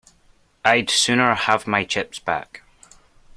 I'd sooner have my chips back.